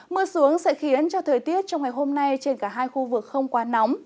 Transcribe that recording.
mưa xuống sẽ khiến cho thời tiết trong ngày hôm nay trên cả hai khu vực không quá nóng